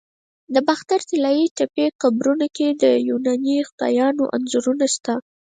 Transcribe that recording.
د باختر د طلایی تپې قبرونو کې د یوناني خدایانو انځورونه شته